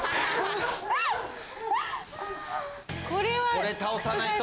これ倒さないと。